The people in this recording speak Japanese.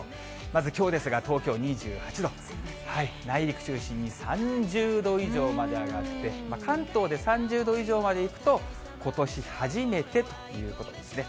まずきょうですが、東京２８度、内陸中心に３０度以上まで上がって、関東で３０度以上までいくと、ことし初めてということですね。